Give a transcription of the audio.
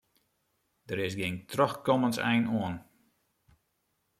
Der is gjin trochkommensein oan.